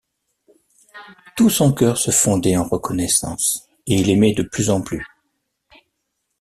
Tout son cœur se fondait en reconnaissance et il aimait de plus en plus.